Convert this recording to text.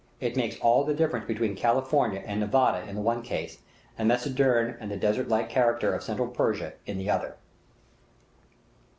It makes all the difference between California and Nevada in the one case, and Mazanderan and the desert like character of Central Persia in the other.